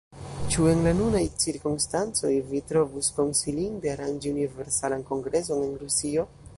Ĉu en la nunaj cirkonstancoj vi trovus konsilinde aranĝi Universalan Kongreson en Rusio?